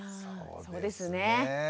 そうですね。